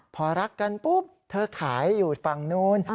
พอรักกันปุ๊บเธอขายอยู่ฝั่งนู้น